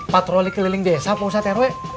patroli keliling desa pausat r w